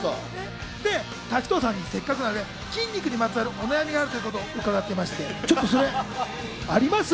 滝藤さんにせっかくなんで、筋肉にまつわるお悩みがあるということを伺っていまして、あります？